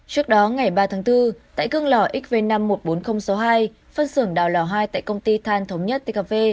trước đó ngày ba tháng bốn tại gương lò xv năm một mươi bốn nghìn sáu mươi hai phân xưởng đào lò hai tại công ty than thống nhất tkv